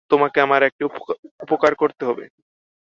তোমাকে আমার একটি উপকার করতে হবে।